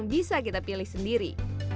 bisa kita pilih sendiri